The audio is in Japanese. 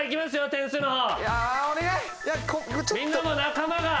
点数の方。